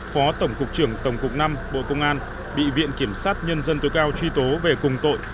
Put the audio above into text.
phó tổng cục trưởng tổng cục năm bộ công an bị viện kiểm sát nhân dân tối cao truy tố về cùng tội